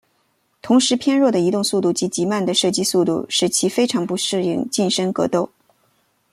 同时偏弱的移动速度及极慢的射击速度使其非常不适应近身战斗。